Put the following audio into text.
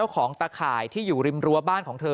ของตะข่ายที่อยู่ริมรั้วบ้านของเธอ